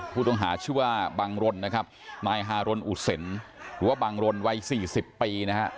ผู้ต้องหาชื่อว่าบังรณนะครับนายฮารณอุศลหรือว่าบังรณวัย๔๐ปีนะครับ